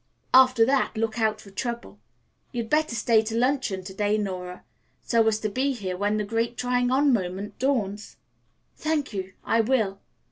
After that, look out for trouble. You'd better stay to luncheon to day, Nora, so as to be here when the great trying on moment dawns." "Thank you. I will."